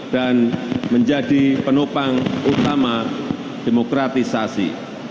dan menjadi penopang utama demokratisasi